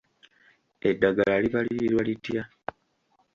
Eddagala libalirirwa litya?